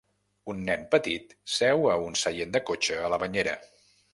Un nen petit seu a un seient de cotxe a la banyera